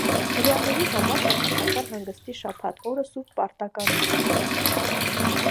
Հրեաների համար, շաբաթական հանգստի շաբաթ օրը սուրբ պարտականությունը։